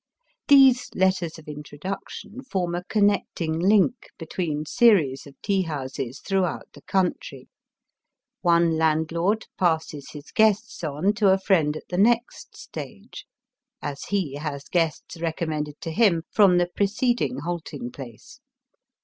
These letters of introduction form a connecting link between series of tea houses throughout the country. One landlord passes his guests on to a friend at the next stage, as he has guests recommended to him from the pre ceding halting place.